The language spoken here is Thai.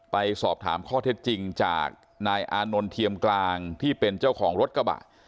ไปสอบถามข้อเท็จจริงจากนายอานนท์เทียมกลางที่เป็นเจ้าของรถกระบะ